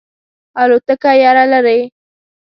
الوتکه یره لرئ؟